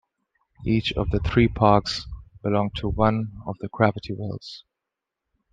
Each of the three parks belongs to one of the gravity wells.